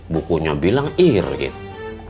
bukunya bilang ir gitu